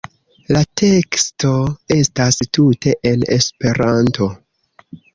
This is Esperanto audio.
La teksto estas tute en Esperanto.